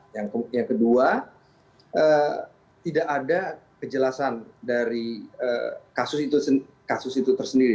yang kedua tidak ada kejelasan dari kasus itu tersendiri